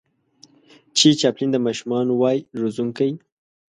چې چاپلين د ماشومانو وای روزونکی